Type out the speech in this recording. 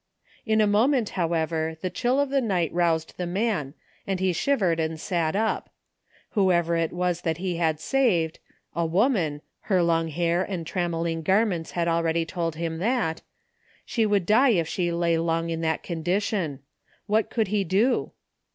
In a moment, however, the chill of the night roused the man, and he shivered and sat up. Whoever it was that he had saved — z woman — ^her long hair and trammelling garments had already told him that — she would die if she lay long in that condition. What could he do?